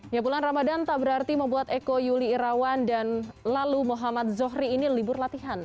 ya bulan ramadan tak berarti membuat eko yuli irawan dan lalu muhammad zohri ini libur latihan